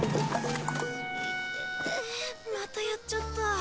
イテテまたやっちゃった。